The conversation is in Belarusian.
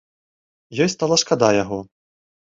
Ёй стала шкода яго.